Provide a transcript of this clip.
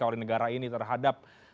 terjadi di negara ini terhadap